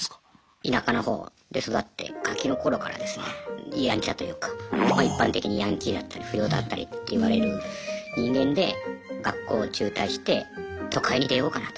田舎のほうで育ってガキの頃からですねやんちゃというか一般的にヤンキーだったり不良だったりっていわれる人間で学校を中退して都会に出ようかなと。